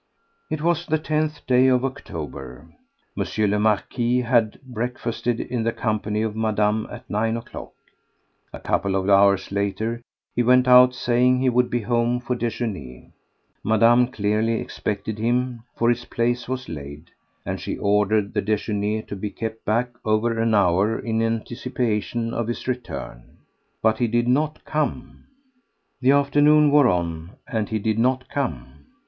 It was the 10th day of October. M. le Marquis had breakfasted in the company of Madame at nine o'clock. A couple of hours later he went out, saying he would be home for déjeuner. Madame clearly expected him, for his place was laid, and she ordered the déjeuner to be kept back over an hour in anticipation of his return. But he did not come. The afternoon wore on and he did not come.